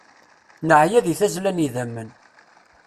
Neɛya di tazzla n yidammen.